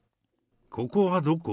ここはどこ？